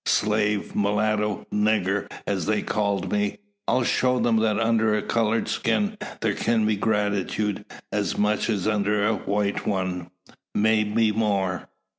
Slave, mulatto, nigger, as they call me, I'll show them that under a coloured skin there can be gratitude, as much as under a white one may be more.